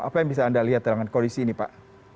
apa yang bisa anda lihat dalam kondisi ini pak